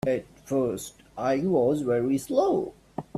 At first I was very slow.